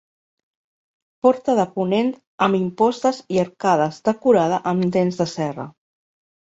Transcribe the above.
Porta de ponent amb impostes i arcades decorada amb dents de serra.